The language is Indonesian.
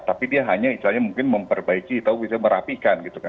tapi dia hanya istilahnya mungkin memperbaiki atau bisa merapikan gitu kan